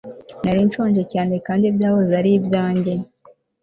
nari nshonje cyane kandi byahoze ari ibyanjye